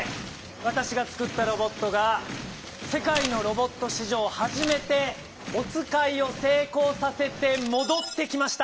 わたしがつくったロボットがせかいのロボットし上はじめておつかいを成功させてもどってきました！